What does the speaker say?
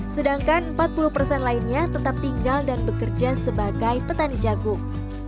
sedangkan empat puluh persen lainnya tetap tinggal dan bekerja sebagai petani jagung